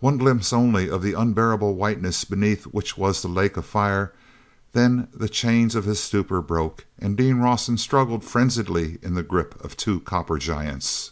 One glimpse only of the unbearable whiteness beneath which was the lake of fire, then the chains of his stupor broke and Dean Rawson struggled frenziedly in the grip of two copper giants.